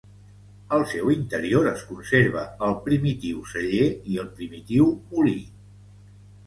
Al seu interior es conserva el primitiu celler i el primitiu molí.